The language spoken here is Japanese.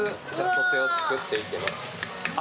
土手を作っていきます。